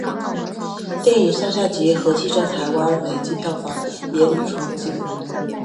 电影上下集合计在台湾累积票房也屡创纪录。